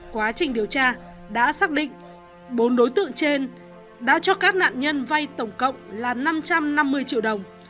quá trình điều tra đã xác định bốn đối tượng trên đã cho các nạn nhân vay tổng cộng là năm trăm năm mươi triệu đồng